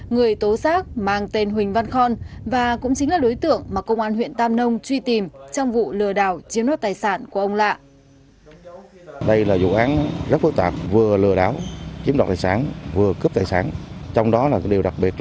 người tố xác mang tên huỳnh văn khon và cũng chính là đối tượng mà công an huyện tam nông truy tìm trong vụ lừa đảo chiếm đoạt tài sản của ông lạ